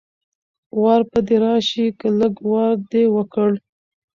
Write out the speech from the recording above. وار به دې راشي که لږ وار دې وکړ